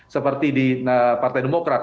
seperti di partai demokrat